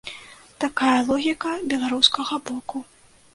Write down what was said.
Такая логіка беларускага боку.